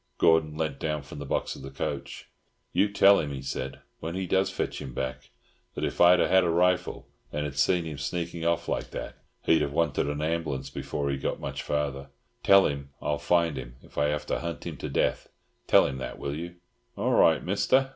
Gordon leant down from the box of the coach. "You tell him," he said, "when he does fetch him back, that if I'd had a rifle, and had seen him sneaking off like that he'd have wanted an ambulance before he got much farther. Tell him I'll find him if I have to hunt him to death. Tell him that, will you?" "All right, Mister!"